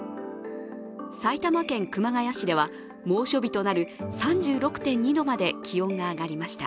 埼玉県熊谷市では猛暑日となる３６．２度まで気温が上がりました。